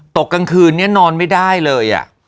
กลางคืนนี้นอนไม่ได้เลย